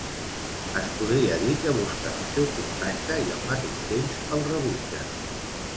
Es podria dir que busquen el seu contacte i al mateix temps el rebutgen.